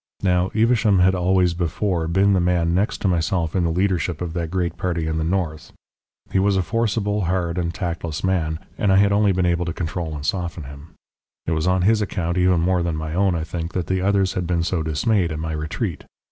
Now, Evesham had always before been the man next to myself in the leadership of that great party in the north. He was a forcible, hard and tactless man, and only I had been able to control and soften him. It was on his account even more than my own, I think, that the others had been so dismayed at my retreat.